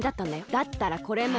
だったらこれも。